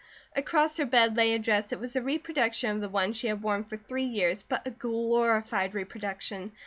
Across her bed lay a dress that was a reproduction of one that she had worn for three years, but a glorified reproduction.